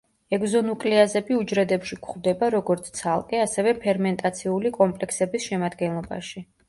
ეგზონუკლეაზები უჯრედებში გვხვდება, როგორც ცალკე, ასევე ფერმენტაციული კომპლექსების შემადგენლობაში.